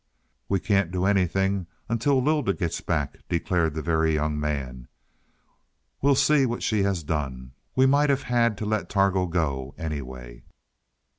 "We can't do anything until Lylda gets back," declared the Very Young Man. "We'll see what she has done. We might have had to let Targo go anyway."